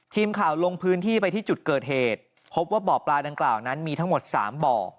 ทีมข่าวลงพื้นที่ไปที่จุดเกิดเหตุพบว่าบ่อปลาดังกล่าวนั้นมีทั้งหมด๓บ่อ